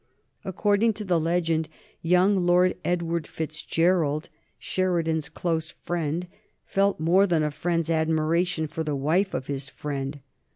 According to the legend young Lord Edward Fitzgerald, Sheridan's close friend, felt more than a friend's admiration for the wife of his friend.